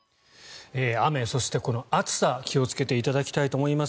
雨、そしてこの暑さ気をつけていただきたいと思います。